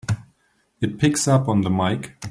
It picks up on the mike!